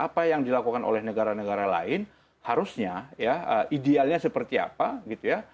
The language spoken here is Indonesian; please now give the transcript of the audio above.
apa yang dilakukan oleh negara negara lain harusnya ya idealnya seperti apa gitu ya